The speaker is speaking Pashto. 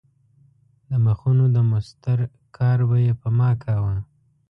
د مخونو د مسطر کار به یې په ما کاوه.